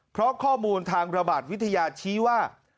เพราะข้อมูลทางระบาดวิทยาชี้ว่า